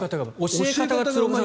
教え方がうまい。